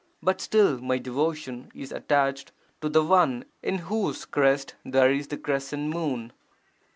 But still my devotion is (attached) to the One in whose crest there is the crescent moon.